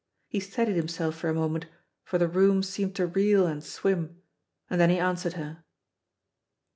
He steadied himself for a moment, for the room seemed to reel and swim, and then he answered her.